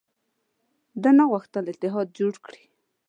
ده نه غوښتل اتحاد جوړ کړي.